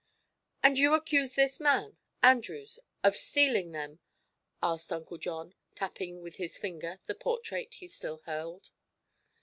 "And you accuse this man, Andrews, of stealing them?" asked Uncle John, tapping with his finger the portrait he still held.